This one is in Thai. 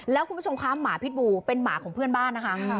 แล้วคุณผู้ชมคะหมาพิษบูเป็นหมาของเพื่อนบ้านนะคะ